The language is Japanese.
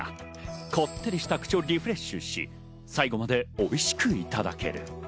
こってりした口をリフレッシュし、最後までおいしくいただける。